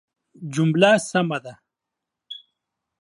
جمله سمه ده